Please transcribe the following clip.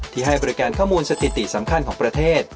ให้บริการข้อมูลสถิติสำคัญของประเทศ